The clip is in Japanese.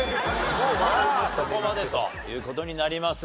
さあそこまでという事になります。